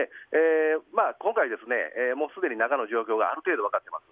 今回、中の状況はある程度分かっています。